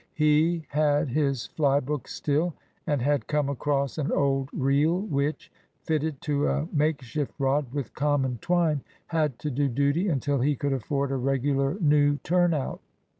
He had his fly book still, and had come across an old reel which, fitted to a makeshift rod with common twine, had to do duty until he could afford a regular new turnout.